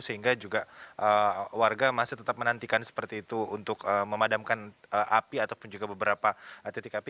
sehingga juga warga masih tetap menantikan seperti itu untuk memadamkan api ataupun juga beberapa titik api